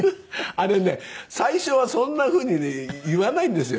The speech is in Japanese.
あれね最初はそんなふうにね言わないんですよ。